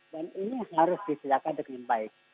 dan ini harus disediakan dengan baik